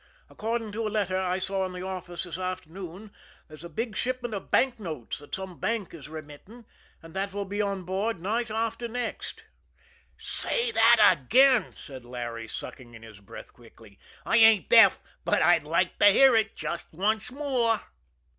"According to a letter I saw in the office this afternoon, there's a big shipment of banknotes that some bank is remitting, and that will be on board night after next." "Say that again," said Larry, sucking in his breath quickly. "I ain't deaf, but I'd like to hear it just once more."